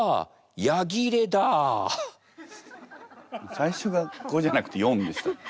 最初が五じゃなくて四でした。